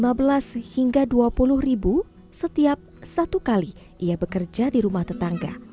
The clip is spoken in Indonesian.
rp lima belas hingga dua puluh ribu setiap satu kali ia bekerja di rumah tetangga